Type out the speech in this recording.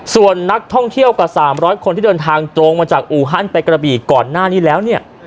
ส่วนนักท่องเที่ยวกว่า๓๐๐คนที่เดินทางตรงมาจากอูฮันไปกระบี่ก่อนหน้านี้แล้วเนี่ย